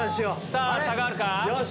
さぁ下がるか？